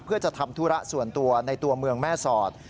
เพื่อจะทำธุระส่วนตัวในตัวเมืองแม่สอด